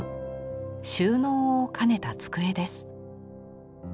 収納を兼ねた机です。